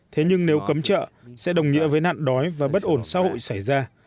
thế nhưng nếu cấm chợ sẽ đồng nghĩa với nạn đói và bất ổn xã hội xảy ra